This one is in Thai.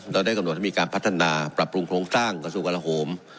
เราได้กำหนดที่มีการพัฒนาปรับปรุงโครงสร้างกับสู่การโหม